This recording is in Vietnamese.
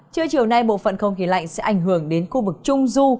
trưa chiều nay bộ phận không khí lạnh sẽ ảnh hưởng đến khu vực trung du